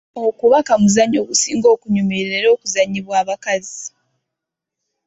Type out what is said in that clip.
Okubaka muzannyo ogusinga kunyumira n'okuzannyibwa bakazi.